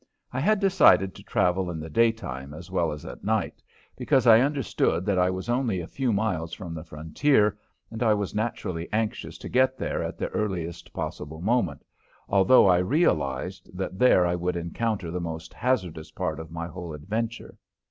I had decided to travel in the daytime as well as night, because I understood that I was only a few miles from the frontier, and I was naturally anxious to get there at the earliest possible moment, although I realized that there I would encounter the most hazardous part of my whole adventure.